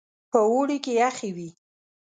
په اوړي کې يخې وې.